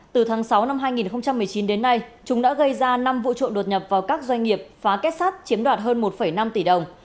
từ tháng sáu năm hai nghìn một mươi chín đến nay chúng đã gây ra năm vụ trộm đột nhập vào các doanh nghiệp phá kết sát chiếm đoạt hơn một năm tỷ đồng